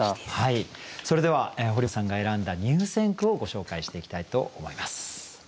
それでは堀本さんが選んだ入選句をご紹介していきたいと思います。